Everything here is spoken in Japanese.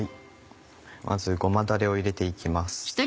まずごまだれを入れて行きます。